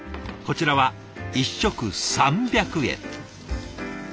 こちらは１食３００円。